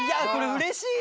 うれしい！